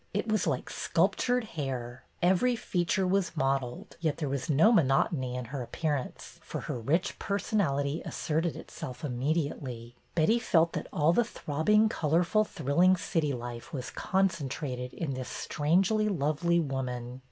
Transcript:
It was like sculptured hair. Every feature was modelled, yet there was no monotony in her MISS MINTURNE 279 appearance, for her rich personality asserted itself immediately. Betty felt that all the throbbing, colorful, thrill ing city life was concentrated in this strangely lovely woman.